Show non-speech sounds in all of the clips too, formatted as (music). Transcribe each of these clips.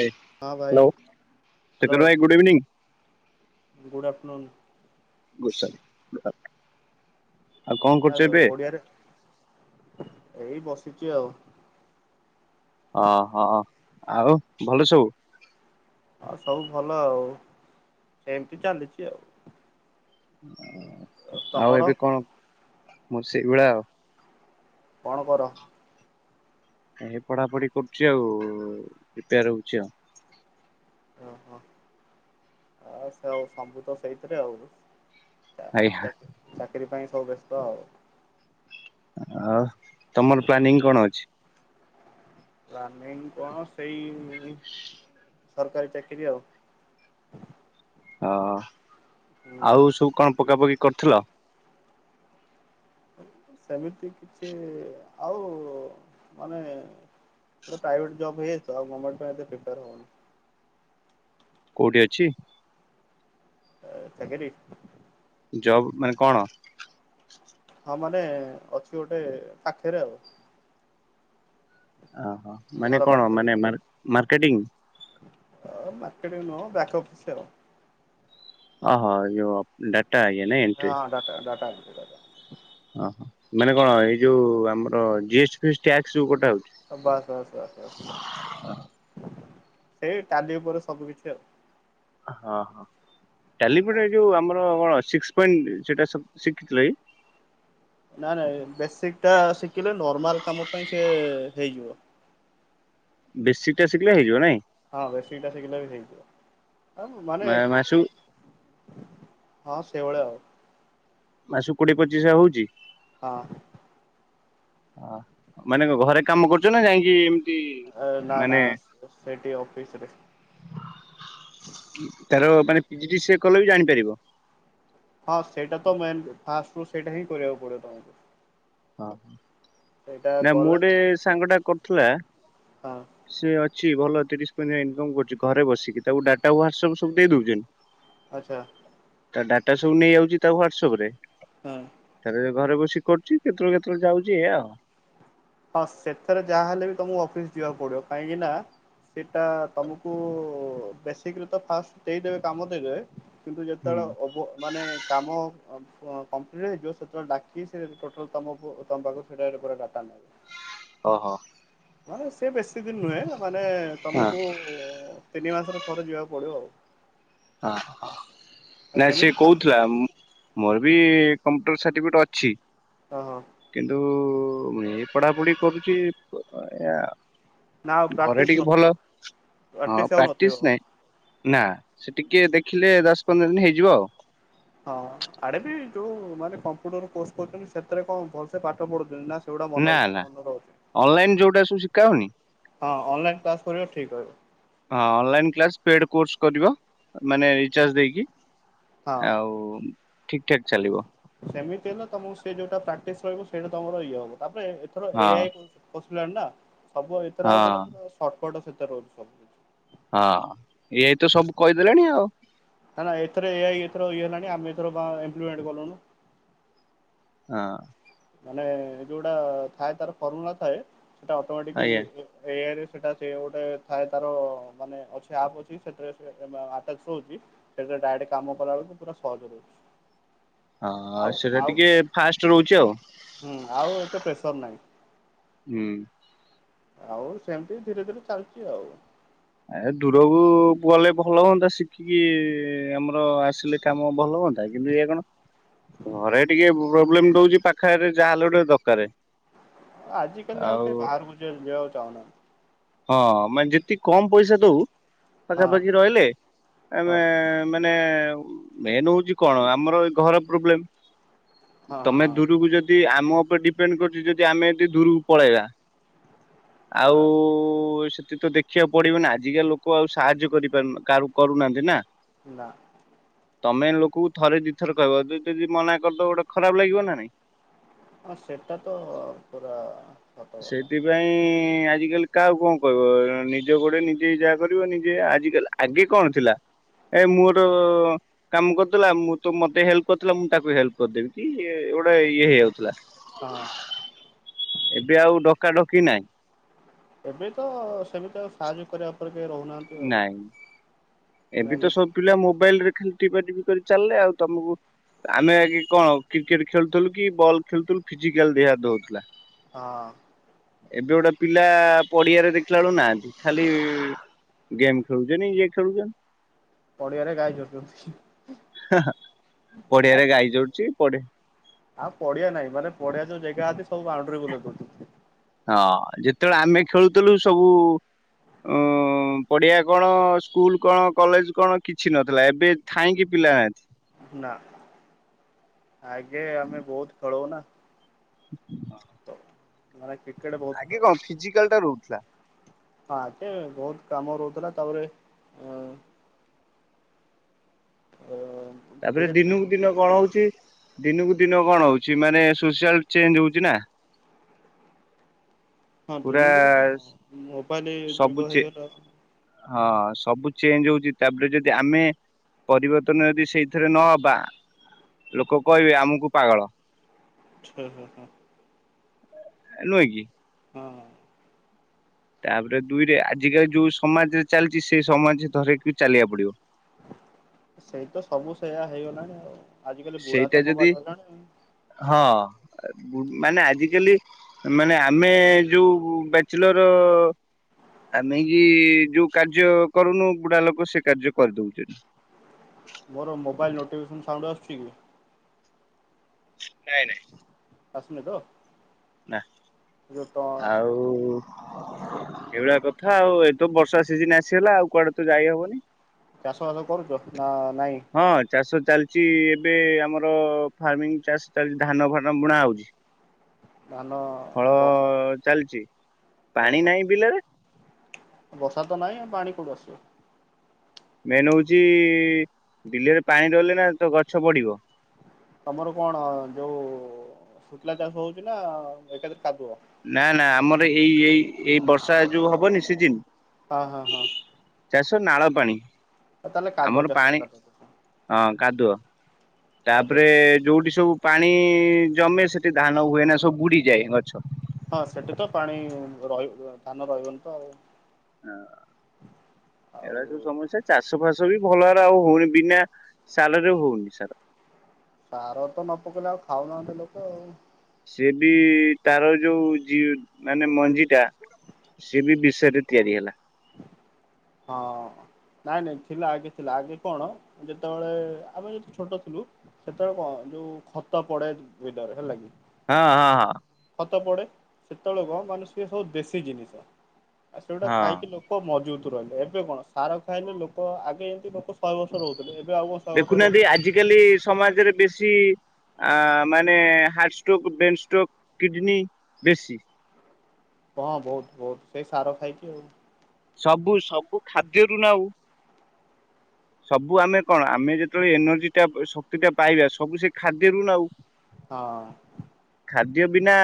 ଏ ହଁ ଭାଇ hello hello Shekhar ଭାଇ good evening. Good afternoon. (unintelligible) Good afternoon. ନା ତ ଓଡିଆରେ ଏଇ ବସିଚି ଆଉ। ଅହଁ ଆଉ ଭଲ ସବୁ? ହଁ ସବୁ ଭଲ ଆଉ ସେମତି ଚାଲିଚି ଆଉ। ଆଉ ତମର ଏବେ କଣ ମୁଁ ସେଇଭଳିଆ ଆଉ। କଣ କର? ଏ ପଢାପଢି କରୁଚି ଆଉ ପ୍ରିପେୟାର ହୋଉଚି ଆଉ। ଓହୋ ଆ ସେ ଆଉ ସବୁ ତ ସେଇଥିରେ ଆଉ। ଆଜ୍ଞା। ଚାକିରି ପାଇଁ ସବୁ ବ୍ୟସ୍ତ ଆଉ। ଆଉ ତମର ପ୍ଲାନିଂ କଣ ଅଛି? ପ୍ଲାନିଙ୍ଗ କଣ ସେଇ ସରକାରୀ ଚାକିରି ଆଉ। ହଁ ହୁଁ ଆଉ ସବୁ କଣ ପକାପକି କରୁଥିଲ? ସେମିତି କିଛି ଆଉ ମାନେ ତ ପ୍ରାଇଭେଟ ଜବ୍ ହେଇଯାଇଚି ତ ଆଉ ଗମେଣ୍ଟ୍ ପାଇଁ ଏତେ ପ୍ରିପୋର ହେଉନି। କୋଉଠି ଅଛି? ଚାକିରି। ଜବ୍‌ ମାନେ କଣ? ହଁ ମାନେ ଅଛି ଗୋଟେ ପାଖରେ ଆଉ। ଓହୋ ମାନେ ଘର କଣ ମାନେ ମା ମାର୍କେଟିଂ? ଅ ମାର୍କେଟ ନୁହ ବ୍ୟାକ ଅଫିସ ଆଉ। ଅହ ଯଉ ଡାଟା ୟେନେ ଏଣ୍ଟ୍ରି। ହଁ ଡାଟା ଡାଟା ଏଣ୍ଟ୍ରି କରି। ଓ ହୋ ମାନେ କଣ ଏଇ ଯୋଉ ଆମର ଜିଏସ୍‌ଟି ଫିଏ ସ୍‌ଟି ଟ୍ୟାକ୍ସ ଯଉ କଟା ହେଉଛି? ବାସ୍ ବାସ୍ ବାସ୍ ବାସ୍ ସେଇ ଟାଲି ଉପରେ ସବୁ କିଛି ଆଉ। ହଁ ହଁ ଆଉ। ଟାଲିପଟେ ଯୋଉ ଆମର କଣ ସିକ୍ସ ପଏଣ୍ଟ ସେଟା ଶିଖିଥିଲ କି? ନାଇଁ ନାଇଁ ବେସିକ ଟା ଶିଖିଲେ ନର୍ମାଲ କାମ ପାଇଁ ସେ ହେଇଯିବ। ବେଶିକଟା ଶିଖିଲେ ହେଇଯିବ ନାଇଁ? ହଁ ବେଶିକଟା ସିଖିଲେ ବି ହେଇଯିବ। ଆଉ ମାନେ ମାସକୁ ହଁ ସେ ଭଳିଆ ଆଉ। ମାସକୁ କୋଡିଏ ପଚିଶ ହଜାର ହଉଛି? ହଁ। ମାନେ କ ଘରେ କାମ କରୁଛ ନା ଯାଇକି ନା ନା ମାନେ ସେଇଟି ଅଫିସ ରେ। ତାର ମାନେ ପିଜିଡିସିଏ କଲେ ବି ଜାଣିପାରିବ? ହଁ, ସେଇଟା ତ ମେନ୍ ଫାଷ୍ଟରୁ ସେଇଟା ହିଁ କରିବାକୁ ପଡ଼ିବ ତମକୁ। ଓହୋ, ସେଇଟା ନା ମୁଁ କଲେ ଗୋଟେ ସାଙ୍ଗ ଟା କରୁଥିଲା। ହଁ ସେ ଅଛି ଭଲ ତିରିଶି ପଇଁତିରିଶି ଇନକମ କରୁଛି ଘରେ ବସିକି ତାକୁ ଡାଟା ହ୍ୱାଟ୍ସଆପ୍ ସବୁ ଦେଇ ଦଉଛନ୍ତି। ଆଚ୍ଛା। ତା ଡାଟା ସବୁ ନେଇଯାଉଛି ତା ହ୍ଵାଟସପ ରେ ହଁ। ତାର ଘରେ ବସିକି କରୁଛି। କେତେବେଳେ କେତେବେଳେ ଯାଉଛି ଏଇଆ ଆଉ। ହଁ ସେଥିରେ ଯାହାହେଲେ ବି ତୁମକୁ ଅଫିସ ଯିବାକୁ ପଡିବ। କାହିଁକି ନା ସେଇଟା ତମକୁ ବେଶିକରୁ ତ ଫାଷ୍ଟ ଦେଇଦେବେ କାମ ଦେଇଦେବେ। କିନ୍ତୁ ହୁଁ ଯେତେବେଳେ ଅବ ମାନେ କାମ ଅ କ କଂପ୍ଲିଟ୍ ହେଇଯିବ ସେତେବେଳେ ଡାକି ସେ ଟୋଟାଲ ତମକୁ ତମ ପାଖରୁ ପୁରା ଡାଟା ନବ। ଓହୋ। ମାନେ ସେ ବେଶୀ ଦିନି ନୁହେଁ ମାନେ ହଁ ତମକୁ ଉ ତିନି ମାସରେ ଥରେ ଯିବାକୁ ପଡିବ ଆଉ। ଓହୋ, ନାଇ ସେ ସେମିତି ଚା କହୁଥିଲା। ମୋର ବି ହଁ କମ୍ପ୍ୟୁଟର ସାର୍ଟିଫିକେଟ୍ ଅଛି। ଓହୋ। କିନ୍ତୁ ଏ ପଢାପଢି କରୁଛି ପ ଏଇଆ ଆଉ। ନା ଆଉ ଘରେ ପ୍ରାକ୍ଟିସ ଟିକେ ନଥିବ ଭଲ ହଁ ଆଉ ନଥିବ। ପ୍ରାକ୍ଟିସ ନାଇଁ। ନା ସେ ଟିକେ ଦେଖିଲେ ଦଶ ପନ୍ଦର ଦିନି ହେଇଯିବ ଆଉ। ହଁ ଆଡେ ବି ଯୋଉ ମାନେ କମ୍ପୁଟର କୋର୍ସ କରୁଛନ୍ତି ସେଥିରେ କଣ ଭଲସେ ପାଠ ପଢୁଛନ୍ତି। ନା ସେଗୁଡା ମନ ନା ନା ମନେ ରହୁଛି ଅନଲାଇନ୍ ଯଉଟା ସବୁ ଶିଖାହଉନି? ହଁ ଅନଲାଇନ୍ କ୍ଲାସ୍ କରିବ ଠିକ୍ ରହିବ। ହଁ ଅନଲାଇ କ୍ଲାସ ପେଡ୍ କୋର୍ସ କରିବ ମାନେ ରିଚାର୍ଜ ଦେଇକି। ହଁ। ଆଉ ଠିକ ଠାକ ଚାଲିବ (unintelligible) ସେମିତି ହେଲେ ତମକୁ ସେ ଯୋଉଟା ପ୍ରାକ୍ଟିସ ରହିବ ସେଇଟା ତମର ଇଏ ହବ। ତାପରେ ଏଥର ହଁ ଏଆଇ ପଶିଲାଣି ନା ସବୁ ଏଥିରେ ହଁ ଆଉ ମାନେ ପୁରା ସର୍ଟକଟ ସେତାରେ ରହୁଛି ସବୁ। ହଁ, ଏଆଇ ତ ସବୁ କହିଦେଲାଣି ଆଉ। ନା ନା ଏଥିରେ ଏଆଇ ଏଥରେ ଇଏ ହେଲାଣି ଆମେ ଏଥର ଇମ୍ପ୍ଲିମେଣ୍ଟ୍ କଲୁଣୁ। ହଁ। ମାନେ ଯୋଉଟା ଥାଏ ତାର ଫର୍ମୁଲା ଥାଏ ସେଟା ଅଟୋମେଟିକି ଆଜ୍ଞା ଏଆଇରେ ସେଟା ସେ ଗୋଟେ ଥାଏ ତାର ମାନେ ଅଛି ଆପ୍ ଅଛି ସେଥିରେ ଆଟାଚ୍ ରହୁଚି। ସେଟା ଡାଇରେକ୍ଟ କାମ କଲା ବେଳକୁ ପୁରା ସହଜ ରହୁଚି। ହଁ, ସେଟା ଟିକେ ଫାଷ୍ଟ୍ ରହୁଚି ଆଉ। ହୁଁ, ଆଉ ଏତେ ପ୍ରେସର ନାହିଁ। ହୁଁ, ଆଉ ସେମ୍ତି ଧୀରେ ଧୀରେ ଚାଲ୍ଚି ଆଉ। ଆ ଦୂରକୁ ଗଲେ ଭଲ ହୁଅନ୍ତା ଶିଖିକି ଆମର ଆସିଲେ। କାମ ଭଲ ହୁଅନ୍ତା କିନ୍ତୁ ଏୟା କଣ ଘରେ ଟିକେ ପ୍ରୋବ୍ଲେମ୍ ଦଉଛି ପାଖାରେ ଯାହାହେଲେ ଗୋଟେ ଦକାରେ। ଆଜି କାଲି ଆଉ କେହି ବାହାରକୁ ଯି ଯିବାକୁ ଚାହୁଁନାହାନ୍ତି। ହଁ ମାନେ ଯେତିକି କମ ପଇସା ଦଉ ହଁ ପାଖାପାଖି ରହିଲେ ଆମେ ବାସ୍ ମାନେ ମେନ୍ ହଉଚି କଣ ଆମର ଏ ଘର ପ୍ରୋବ୍ଲେମ୍। ହଁ ତମେ ହଁ ଦୂରୁକୁ ଯଦି ଆମ ଉପରେ ଡିପେଣ୍ଡ୍ କରୁଚି ଯଦି ଆମେ ଯଦି ଦୂରକୁ ପଳେଇବା। ଆଉ ହଁ ସେଠି ତ ଦେଖିବାକୁ ପଡିବ ନା ଆଜିକା ଲୋକ ଆଉ ସାହାଯ୍ୟ କରିପାରୁ କାରୁ କରୁନାହାନ୍ତି ନା। ନା। ତମେ ଲୋକଙ୍କୁ ଥରେ ଦି ଥର କହିବ ଯଦି ମନା କରିଦବ ଗୋଟେ ଖରାପ୍ ଲାଗିବ ନା ନାଇଁ। ହଁ ସେଟା ତ ପୁରା ସତ ସେଇ କଥା ଦିନ୍ ସେଥି ପାଇଁ ଆଜିକାଲି କାହାକୁ କଣ କରହିବ ନିଜ ଗୋଡେ ନିଜେ ଯାହା କରିବ ନିଜେ ଆଜିକାଲି ଆଜି କଣ ଥିଲା ଏ (unintelligible) କାମ କତୁଲା ମୁଁ ତୁ ମତେ ହେଲ୍ପ କରୁଥିଲା ମୁଁ ତାକୁ ହେଲ୍ପ କରିଦେବି କି ଗୋଟେ ଇଏ ହେଇଯାଉଥିଲା। ହଁ। ଏବେ ଆଉ ଡକା ଡକି ନାଇଁ। ଏବେ ତ ସେମ୍ତି ସାହାଯ୍ୟ କରିବା ଉପରେ କେହି ରହୁ ନାଇଁ ଏବେ ମାନେ ତ ସବ୍ ପିଲା ମୋବାଇଲ୍ ରେ ଖାଲି ଟିପା ଟିିପ୍ କରି ଚାଲ୍ଲେ ଆଉ ତମକୁ ଆମେ ଆଜି କଣ କ୍ରିକେଟ୍ ଖେଳୁଥିଲୁ କି ବଲ୍ ଖେଳୁଥିଲୁ ଫିଜିକାଲ୍ ଦେହା ଦଉଥିଲା। ହଁ। ଏବେ ଗୋଟେ ପିଲା ପଡିଆରେ ଦେଖିଲା ବେଳକୁ ନାହାନ୍ତି ଖାଲି ଗେମ୍ ଖେଳୁଚନ୍ତି ଇଏ ଖେଳୁଚନ୍ତି। ପଡିଆରେ ଗାଈ ଚରୁଛନ୍ତି ପଡିଆରେ ଆଉ ଗାଈ ଚର୍ଚି ପଡି ଆଉ ପଡିଆ ନାାଇଁ ମାନେ ପଡିଆ ଯୋଉ ଜାଗା ଅଛି ସବୁ ବାଉଣ୍ଡ୍ରୀ ବୁଲେଇ ଦଉଚନ୍ତି। ହଁ ଯେତେବେଳେ ଆମେ ଖେଳୁଥିଲୁ ସବୁ ଉଁ ପଡିଆ କଣ ସ୍କୁଲ୍ କଣ କଲେଜ୍ କଣ କିଛି ନଥିଲା ଏବେ ଥାଇଁକି ପିଲା ନା ଆଗେ ଆମେ ବହୁତ୍ ଖଳଉନା। (inaudible) ତ ମୋର୍ କ୍ରିକେଟ୍ ବୋହୁତ୍ ଫେବ ଫିଜିକାଲ୍ ଟା ରହୁଥିଲା। ହଁ ଆଗେ ବୋହୁତ୍ କାମ ରହୁଥିଲା ତାପରେ ଉଁ ତାପ୍ରେ ଦିନକୁ ଦିନ କଣ ହଉଚି ଦିନକୁ ଦିନ କଣ ହଉଚି ମାନେ ସୋସିଆଲ ଚେଞ୍ଜ ହଉଚି ନା। ହଁ ପୁରା ଦିନକୁ ଦିନ ତ ଭୋପାଲି ସବୁ ଯୋଗ ଚେ ହେଇଗଲା। ହଁ ସବୁ ଚେଞ୍ଜ ହଉଚି ତାପ୍ରେ ଯଦି ଆମେ ପରିବର୍ତ୍ତନ ଯଦି ସେଇଥିରେ ନହବା ଲୋକ କହିବେ ଆମକୁ ପାଗଳ। ହଁ ହଁ ହଁ ନୁହି କି ହଁ ତାପରେ ଦୁଇରେ ଆଜିକାଲି ଯୋଉ ସମାଜରେ ଚାଲିଛି ସେଇ ସମାଜ ଧରିକି ଚାଲିବାକୁ ପଡିବ। ସେଇ ତ ସବୁ ସେଇୟା ହେଇଗଲାଣି ଆଉ। ଆଜିକାଲି ବୁଢା ତ ସେଇଟା ଯଦି ମୋବାଇଲ ଧରିଲାଣି ହଁ ମାନେ ଆଜିିକାଲି ମାନେ ଆମେ ଯୋଉଁ ବ୍ୟାଚଲର ଆମେ କି ଯୋଉ କାର୍ଯ୍ୟ କରୁନୁ ବୁଢା ଲୋକ ସେ କାର୍ଯ୍ୟ କରିଦଉଛନ୍ତି। ମୋର ମୋବାଇଲ୍ ନୋଟିଫିକେସନ୍ ସାଉଣ୍ଡ ଆସୁଛି କି? ନାଇଁ ନାଇଁ। ଆସୁନି ତ? ନା ଯୋଉ ଆଉ। ଏଇଭଳିଆ କଥା ଆଉ ଏତ ବର୍ଷା ସିଜିନ ଆସିଗଲା ଆଉ କୁଆଡେ ତ ଯାଇହବନି। ଚାଷ ବାସ କରୁଛ ନା ନାଇଁ। ହଁ ଚାଷ ଚାଲିଛି ଏବେ ଆମର ଫାର୍ମିଂ ଚାଷ ଚାଲିଛି ଧାନ ଫାନ ବୁଣା ହଉଛି। ଧାନ ହଳ ଚାଲିଛି ପାଣି ଓହୋ ନାହିଁ ବିଲରେ ବର୍ଷା ତ ନାଇଁ ପାଣି କୋଉଠି ଆସିବ? ମେନ୍ ହେଉଛି ବିଲେରେ ପାଣି ଦେଲେ ନା ତ ଗଛ ବଡ଼ିବ। ତମର କଣ ଯୋଉ ଶୁଖିଲା ଚାଷ ହଉଛି ନା ଏକାଠି କାଦୁଅ। ନା ନା ଆମର ଏଇ ଏଇ ଏଇ ବର୍ଷା ଯୋଉ ହବନି ସିଜିନ। ହଁ ହଁ ହଁ ଚାଷ ନାଳ ପାଣି ତାହେଲେ କାଦୁଅ ଆମର ଚାଷ ପାଣି। କାଦୁଅ ଚାଷ ହଁ କାଦୁଅ କାଦୁଅ ତାପରେ ଚାଷ। ଯୋଉଠି ସବୁ ପାଣି ଜମେ ସେଠି ଧାନ ହୁଏ ନା ସବୁ ବୁଡିଯାଏ ଗଛ। ହଁ ସେଠି ତ ପାଣି ରହିବ ଧାନ ରହିବନି ତ ଆଉ। ହଁ ଆଉ ଏଟା ତ ସମସ୍ୟା। ଚାଷ ଫାସ ବି ଭଲରେ ଆଉ ହଉନି ବିନା ସାଲ ରେ ହଉନି ସାରା। ସାର ତ ନ ପକେଇଲେ ଆଉ ଖାଉନାହାନ୍ତି ଲୋକ ଆଉ। ସେ ବି ତାର ଯୋଉ ମାନେ ମଞ୍ଜି ଟା। ସିଏ ବି ବିଷ ରେ ତିଆରି ହେଲା। ହଁ ନାଇଁ ନାଇଁ ଥିଲା ଆଗେ ଥିଲା ଆଗେ କଣ ଯେତେବେଳେ ଆମେ ଯତି ଛୋଟ ଥିଲୁ। ସେତେବେଳେ କଣ ଯୋଉ ଖତ ପଡେ (inaudible) ହେଲା କି। ହଁ ହଁ ହଁ ଖତ ପଡ଼େ ସେତେବେଳେ କଣ ମାନଲନେ ସି ଏ ସବୁ ଦେଶୀ ଜିନିଷ ଆଉ ସେଗୁଡା ହଁ। ଖାଇକି ଲୋକ ମଜବୁତ୍ ରହିଲେ ଏବେ କଣ ସାର ଖାଇଲେ ଲୋକ ଆଗେ ଯେମିତି ଲୋକ ଶହେ ବର୍ଷ ରହୁଥିଲେ। ଆଉ କଣ ଶହେ ବର୍ଷ ଦେଖୁନାହାନ୍ତି ରହୁଛନ୍ତି ଆଜିକାଲି ସମାଜରେ ବେଶୀ ମାନେ heart stroke brain stroke kidney ବେଶୀ। ହଁ ବହୁତ ବହୁତ ସେଇ ସାର ଖାଇଛିି ଆଉ। ସବୁ ସବୁ ଖାଦ୍ୟରୁ ନା ଆଉ। ସବୁ ଆମେ କଣ ଆମେ ଯେତେବେଳେ ଏନର୍ଜି ଟା ଶକ୍ତି ଟା ପାଇବା ସବୁ ସେ ଖାଦ୍ୟରୁ ନା ଆଉ। ହଁ ବିନା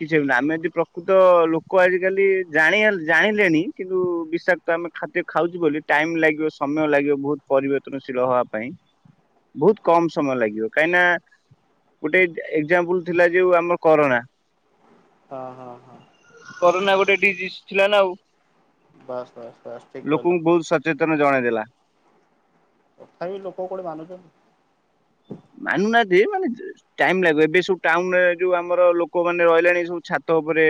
କିଛି ହେନ ଆମେ ଯଦି ପ୍ରକୃତ ଲୋକ ଆଜିକାଲି ଜାଣି ଜାଣିଲେଣି କିନ୍ତୁ ବିଷାକ୍ ତ ଆମେ ଖାଦ୍ୟ ଖାଉଛୁ ବୋଲି ଟାଇମ ଲାଗିବ ସମୟ ଲାଗିବ ବହୁତ ପରିବର୍ତନଶୀଳ ହବା ପାଇଁ। ବହୁତ କମ ସମୟ ଲାଗିବ କାହିଁକିନା। ଗୋଟେ ଏକ୍ଜାମ୍ପଲ ଥିଲା ଯୋଉ ଆମର କରୋନା। ହଁ ହଁ ହଁ କରୋନା ଗୋଟେ ଡିଜିଜ୍ ଥିଲା ନା ଆଉ, ବାସ୍ ବାସ୍ ବାସ୍ ଠିକ କହିଲ ଲୋକଙ୍କୁ ବହୁତ୍ ସ ଚେତନ ଜଣେଇଦେଲା। ତଥାପି ଲୋକ କୋଉଠି ମାନୁଚନ୍ତି। ମାନୁନାହାନ୍ତି ମାନେ ଯେ ଟାଇମ୍ ଲାଗିବ, ଏବେ ସବୁ ଟାଉନ୍ ରେ ଯୋଉ ଆମର ଲୋକମାନେ ରହିଲେଣି ସବୁ ଛାତ ଉପରେ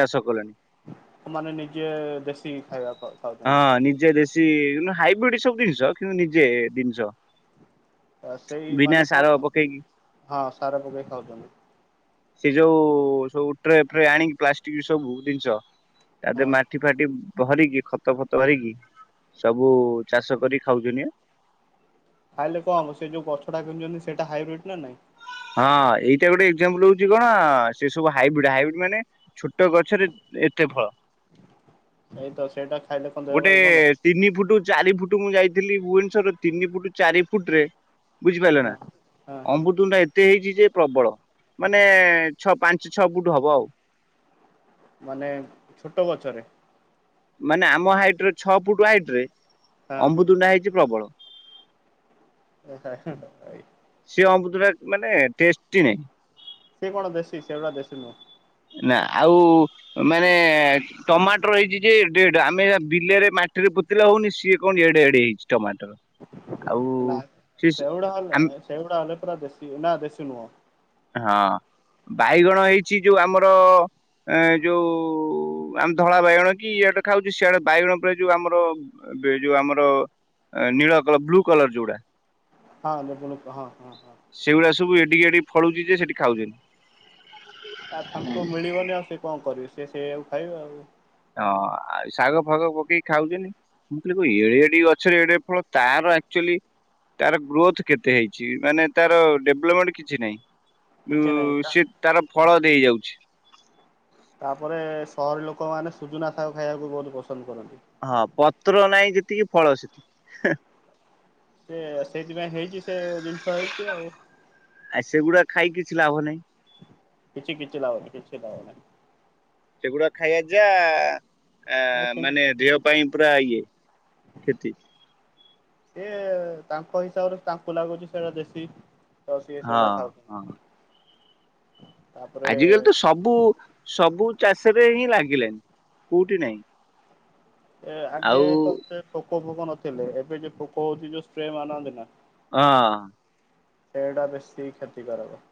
ଚାଷ କଲେଣି। ସେମାନେ ନିଜେ ଦେଶୀ ଖାଇବା ଖାଉ ହଁ ନିଜେ ଦେଶୀ ହାଇବ୍ରିଡ୍ ସବୁ ଦିନିଷ କିନ୍ତୁ ନିଜେ ଦିନିଷ। ତ ସେଇ ମାନେ କଣ ହଁ ସାର ପକେଇ ଖାଉଚନ୍ତି। ସେ ଯୋଉ ସବୁ ଟ୍ରେ ଫ୍ରେ ଆଣିକି ପ୍ଲାଷ୍ଟିକ ସବୁ ଦିନିଷ। ତା ଦେ ହଁ ମାଟି ଫାଟି ଭରିକି ଖ ତ ଫତ (unintelligible) ସବୁ ଚାଷ କରି ଖାଉଚନ୍ତି (unintelligible) ଖାଇଲେ କଣ ହବ, ସେ ଯୋଉ ଗଛ ଟା କିଣୁଚନ୍ତି ସେଇଟା ହାଇବ୍ରିଡ୍ ନା ନାଇଁ। ହଁ ଏଇଟା ଗୋଟେ ଏକ୍ଜାମ୍ପଲ ହଉଚି କଣ ସେ ସବୁ ହାଇବ୍ରିଡ୍, ହାଇବ୍ରିଡ୍ ମାନେ ଛୋଟ ଗଛରେ ଏତେ ଫଳ। ସେଇତ ସେଇଟା ଖାଇଲେ କଣ ଦେହ ଗୋଟେ ପାଇଁ ଭଲ? ତିନି ଫୁଟୁ ଚାରି ଫୁଟୁ ମୁଁ ଯାଇଥିଲି ଭୁବନେସ୍ୱର ତିନି ଫୁଟ୍ ଚାରି ଫୁଟ୍ ରେ ବୁଝିପାରିଲେ ନା, ହଁ ହଁ ହଁ ଅମୃତଣ୍ଡା ଏତେ ହେଇଚି ଯେ ପ୍ରବଳ ମାନେ ଛଅ ପାଞ୍ଚ ଛ ଫୁଟୁ ହବ ଆଉ। ମାନେ ଛୋଟ ଗଛରେ? ମାନେ ଆମ ହାଇଟ୍ ରେ ଛଅ ଫୁଟ ହାଇଟ୍ ରେ ଆମ୍ବୃତ ଭଣ୍ଡା ହେଇଛି ପ୍ରବଳ। (inaudible) ସେ ଅମୃତ ଭଣ୍ଡା ମାନେ ଟେଷ୍ଟି ନାହିଁ। ସେ କଣ ଦେସି, ସେଗୁଡ଼ା ଦେସି ନୁହଁ। ନା ଆଉ ମାନେ ଟମାଟୋର ହେଇଚି ଯେ ଏଡ଼େ-ଏଡ଼େ, ଆମେ ବିଲେରେ ମାଟିରେ ପୋତିଲେ ହଉନି ସିଏ କଣ ଏଡେ-ଏଡେ ହେଇଚି ଟମାଟର। ଆଉ ନା ସେ ସେଗୁଡା ହେଲେ ଆମେ ସେଗୁଡା ହେଲେ ପୁରା ଦେଶୀ ନା ଦେଶୀ ନୁହଁ। ହଁ ବାଇଗଣ ହେଇଚି ଯୋଉ ଆମର ଏ ଯୋଉ ଆମେ ଧଳା ବାଇଗଣ କି ଇଆଡେ ଖାଉଚୁ ସିଆଡେ ବାଇଗଣ ଉପରେ ଯୋଉ ଆମର ଏବେ ଯୋଉ ଆମର ନୀଳ କଲର ବ୍ଲୁ କଲର ଯୋଉଡା। ହଁ (unintelligible) କ-ହଁ-ହଁ-ହଁ। ସେଇ ଭଳିଆ ସବୁ ଏଡିକି ଏଡ଼ିକି ଫଳୁଚି ଯେ ସେଠି ଖାଉଚନ୍ତି। ଆ ତାଙ୍କୁ ମିଳିବନି ଆଉ ସେ କଣ କରିବେ, ସେ ସେଇଆକୁ ଖାଇବେ ଆଉ। ହଁ ଆଉ ଶାଗ ଫାଗ ପକେଇକି ଖାଉଚନ୍ତି। ମୁଁ କହିଲି କଣ ଏଡିକି-ଏଡିକି ଗଛରେ ଏଡେ-ଏଡ଼େ ଫଳ, ତାର ଆକ୍ଚୁଅଲି ତାର ଗ୍ରୋଥ କେତେ ହେଇଚି, ମାନେ ତାର ଡେଭ୍ଲପମେଣ୍ଟ କିଛି ନାହିଁ। କିଛି ନାହିଁ (unintelligible) ତା ସେ ତାର ଫଳ ଦେଇ ଯାଉଛି। ତାପରେ ସହରି ଲୋକମାନେ ସୁଜୁନା ଶାଗ ଖାଇବାକୁ ବହୁତୁ ପସନ୍ଦ କରନ୍ତି। ହଁ ପତ୍ର ନାଇଁ ଯେତିକି ଫଳ ସେତିକି ହେଁ। ସେ ସେଇଥିପାଇଁ ହେଇଚି ସେ ଜିନିଷ ହେଇଚି ଆଉ। ଆଉ ସେଗୁଡା ଖାଇକି କିଛି ଲାଭ ନାହିଁ। କିଛି-କିଛି ଲାଭ ନାହିଁ, କିଛି ଲାଭ ନାହିଁ। ସେଗୁଡା ଖାଇଆ ଯା ଆ ମାନେ ଦେହ ପାଇଁ ପୁରା ଇଏ କ୍ଷେତି। ଏ ତାଙ୍କ ହିସାବରେ ତାଙ୍କୁ ଲାଗୁଛି ସେଇଟା ଦେଶୀ। ତ ସିଏ ହଁ ସେଗୁଡା ହଁ। ଖାଉ ଆଜିକାଲି ତ ସବୁ-ସବୁ ଚାଷରେ ହିଁ ଲାଗିଲେଣିି କୋଉଠି ନାହିଁ। ଏ ଆଗେ ଆଉ ତ ଏତେ ପୋକ ଫୋକ ନଥିଲେ, ଏବେ ଯୋଉ ପୋକ ହଉଚି ଯୋଉ ସ୍ପ୍ରେ ମାରନ୍ତି ନା। ହଁ। ସେଇଟା ବେଶୀ କ୍ଷତିକାରକ।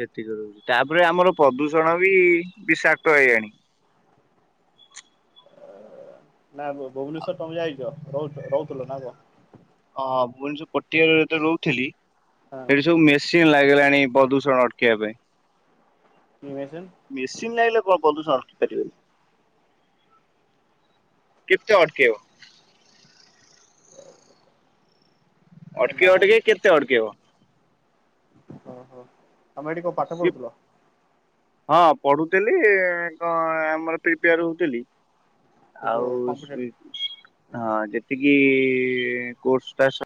କ୍ଷତି କରଉଛି ତାପରେ ଆମର ପ୍ରଦୂଷଣ ବି ବିଷାକ୍ତ ହେଇଗାଣି। ନା ଭୁବନେଶ୍ଵର ତମେ ଯାଇଛ ରହୁ ରହୁଥିଲ ନା କଣ? ହଁ ପୁଣି ପଟିଆ ରତ ରହୁଥିଲି ହଁ ସେଠି ସବୁ ମେ ନ୍ ଲାଗିଲାଣି ପ୍ରଦୂଷଣ ଅଟକିବା ପାଇଁ। (unintelligible) ମେସିନ୍ ନହିଁଲେ କଣ ପଦୁଷଣ ରଖିପାରିବନି। କେତେ ଅଟକେଇବ। ଅଟକି ନା ଅଟକି କେତେ ଅଟକେଇବ ଓହୋ ଆମେ ଏଠି କୋଉ ପାଠ ପଢୁଥିଲ। ହଁ ପଢୁଥିଲି ଆମର ପ୍ରିପେୟାର ହଉଥିଲି। ଯୋଉ ଆଉ କମ୍ପିଟେଟିଭ? ସୁଭି ହଁ ଯେତିକି କୋ ଟ